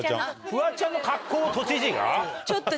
フワちゃんの格好を都知事が？